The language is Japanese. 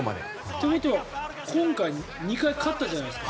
ということは今回２回勝ったじゃないですか。